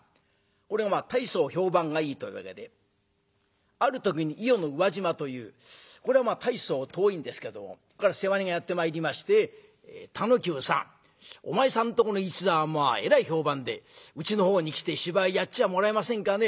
これがまあ大層評判がいいというわけである時に伊予の宇和島というこれは大層遠いんですけどもここから世話人がやって参りまして「田能久さんお前さんとこの一座はえらい評判でうちのほうに来て芝居やっちゃもらえませんかね。